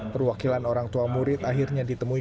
perwakilan orang tua murid akhirnya ditemui